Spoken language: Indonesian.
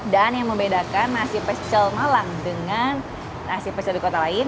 dan yang membedakan nasi pecel malang dengan nasi pecel di kota lain